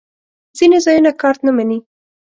ځینې ځایونه کارت نه منی